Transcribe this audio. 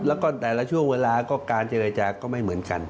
แล้วก็แต่ละช่วงเวลาก็การเจรจาก็ไม่เหมือนกัน